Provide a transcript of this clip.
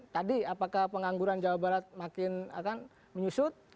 tadi apakah pengangguran jawa barat makin akan menyusut